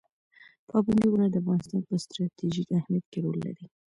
پابندي غرونه د افغانستان په ستراتیژیک اهمیت کې رول لري.